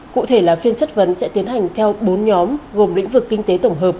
cụ thể là phiên chất vấn sẽ tiến hành theo bốn nhóm gồm lĩnh vực kinh tế tổng hợp